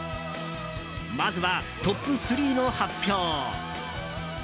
まずはトップ３の発表。